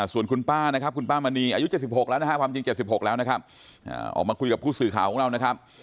ส่วนคุณป้านะครับคุณป้ามณีอายุ๗๖แล้วนะครับความจริง๗๖แล้วนะครับออกมาคุยกับผู้สื่อข่าวของเรานะครับ